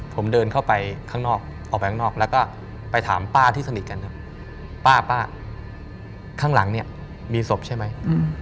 ผมเดินเข้าไปข้างนอกออกไปข้างนอกแล้วก็ไปถามป้าที่สนิทกันครับป้าป้าข้างหลังเนี่ยมีศพใช่ไหม